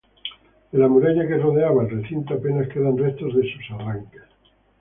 De la muralla que rodeaba el recinto apenas quedan restos de sus arranques.